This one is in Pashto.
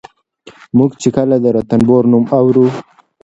موږ چې کله د رنتنبور نوم اورو